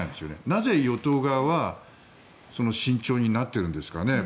なぜ与党側は慎重になっているんですかね。